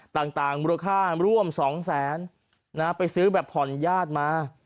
ต่างมูลค่าร่วม๒แสนไปซื้อแบบผ่อนญาติมา